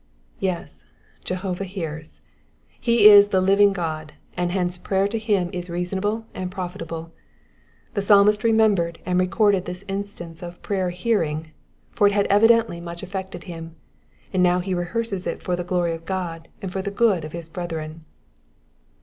''^ Yes, Jehovah hears. He is the living God, and hence prayer to him is reasonable and profitable. The Psalmist remembered and recorded this instance of prayer bearing, for it had evidently much affected him ; and now he rehearses it for the glory of God and the good of his brethren.